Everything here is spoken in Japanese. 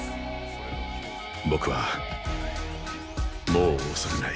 僕はもう恐れない。